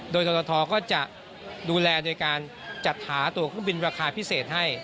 โดยกรทก็จะดูแลโดยการจัดหาตัวเครื่องบินราคาพิเศษให้